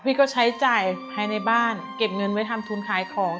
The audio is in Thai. พี่ก็ใช้จ่ายภายในบ้านเก็บเงินไว้ทำทุนขายของ